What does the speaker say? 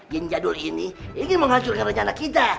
jin jadul ini ingin menghancurkan rencana kita